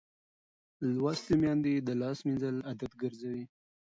لوستې میندې د لاس مینځل عادت ګرځوي.